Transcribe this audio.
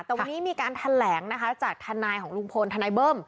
แต่วันนี้มีการแถลงนะคะจากทนายของลุงพลทนายเบิ้ม